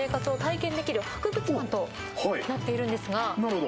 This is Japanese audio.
なるほど。